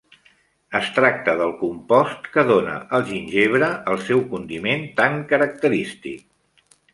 Es tracta del compost que dóna al gingebre el seu condiment tan característic.